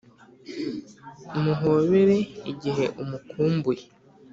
muhobere igihe umukumbuye